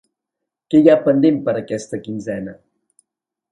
Què hi ha pendent per a aquesta quinzena?